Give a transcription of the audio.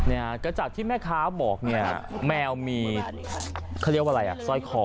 เนี่ยก็จากที่แม่ค้าบอกเนี่ยแมวมีเขาเรียกว่าอะไรอ่ะสร้อยคอ